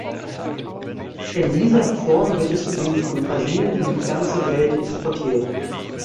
In dieser Form wird es zudem von Brasilien in die ganze Welt exportiert.